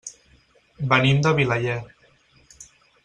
Venim de Vilaller.